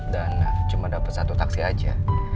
dan cuma dapat satu taksi aja